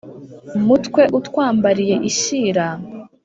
mutwe utwambariye ishyira,